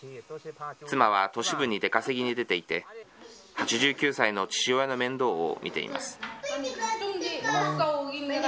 妻は都市部に出稼ぎに出ていて、８９歳の父親の面倒を見ています。